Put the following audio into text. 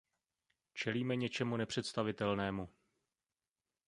Čelíme něčemu nepředstavitelnému.